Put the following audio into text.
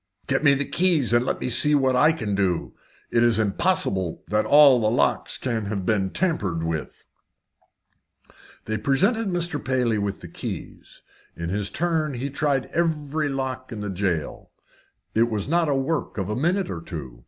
"Get me the keys and let me see what I can do. It is impossible that all the locks can have been tampered with." They presented Mr. Paley with the keys. In his turn he tried every lock in the jail This was not a work of a minute or two.